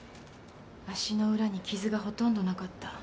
足の裏に傷がほとんどなかった。